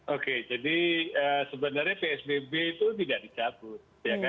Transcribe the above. oke jadi sebenarnya psbb itu tidak dicabut